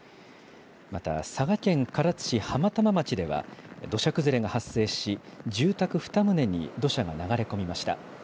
また佐賀県唐津市浜玉町では土砂崩れが発生し、住宅２棟に土砂が流れ込みました。